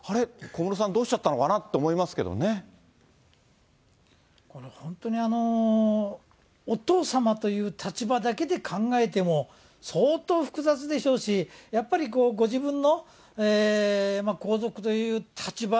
小室さん、どうしちゃったのかなって、思いこれ、本当にお父さまという立場だけで考えても、相当複雑でしょうし、やっぱりご自分の皇族という立場、